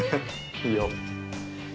いいよ。